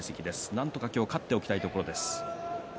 なんとか今日は勝っておきたいところです。